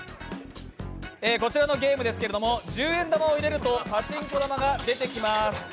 こちらのゲームですが十円玉を入れるとパチンコ玉が出てきます。